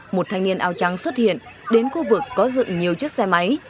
một thanh niên ao trắng xuất hiện đến khu vực có dựng nhiều chiếc xe máy